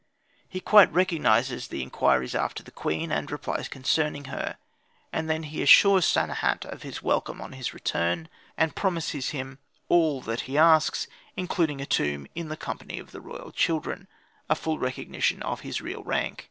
He quite recognises the inquiries after the queen, and replies concerning her. And then he assures Sanehat of welcome on his return, and promises him all that he asks, including a tomb "in the company of the royal children," a full recognition of his real rank.